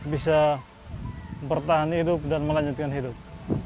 bisa bertahan hidup dan melanjutkan hidup